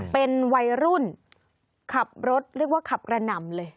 เป็นวัยรุ่นขับรถเรียกว่าขับกระหน่ำเลย